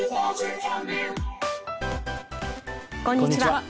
こんにちは。